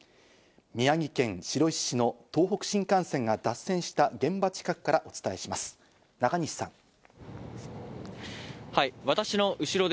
宮城県白石市の東北新幹線が脱線した現場近くからお伝えします、中西さん。